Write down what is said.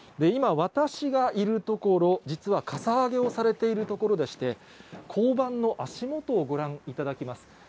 今、私がいる所、実はかさ上げをされている所でして、交番の足元をご覧いただきます。